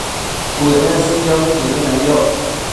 uënësqio cuëdëneyoc